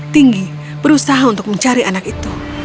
sang pohon berusaha untuk mencari anak itu